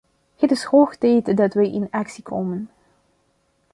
Het is hoog tijd dat wij in actie komen.